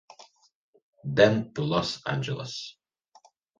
Then to Los Angeles.